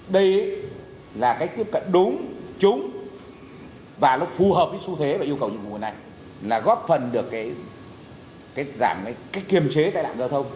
đây là cái tiếp cận đúng trúng và nó phù hợp với xu thế và yêu cầu dịch vụ này là góp phần được cái kiềm chế tại đảng giao thông